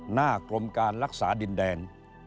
หน้ากรมการรักษาดินแดน